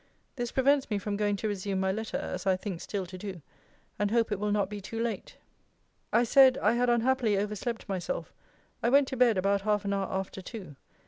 This prevents me from going to resume my letter, as I think still to do; and hope it will not be too late. I said, I had unhappily overslept myself: I went to bed about half an hour after two.